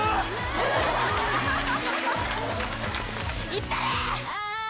行ったれ！